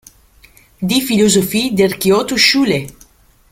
Die Philosophie der Kyoto-Schule.